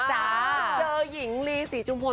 เจอหญิงลีศรีชุมพล